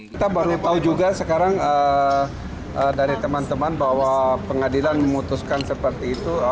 kita baru tahu juga sekarang dari teman teman bahwa pengadilan memutuskan seperti itu